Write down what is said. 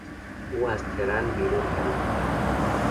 او از ترن بیرون پرید.